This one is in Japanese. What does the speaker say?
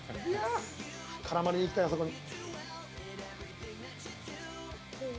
◆絡まりにいきたい、あそこに。